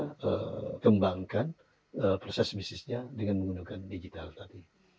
kita kembangkan proses bisnisnya dengan menggunakan digital tadi